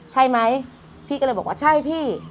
ใช่ไหมพี่ก็เลยบอกว่าใช่พี่